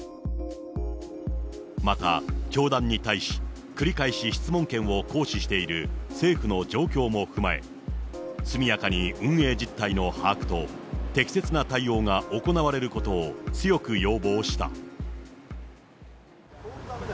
また、教団に対し繰り返し質問権を行使している政府の状況も踏まえ、速やかに運営実態の把握と適切な対応が行われることを、強く要望した。